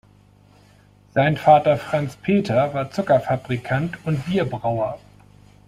Sein Vater Franz Peter war Zuckerfabrikant und Bierbrauer.